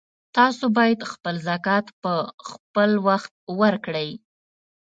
تاسو باید خپل زکات په خپلوخت ورکړئ